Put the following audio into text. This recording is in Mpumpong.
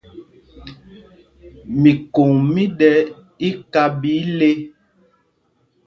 Mikǒŋ mí ɗɛ́ íká ɓɛ íle.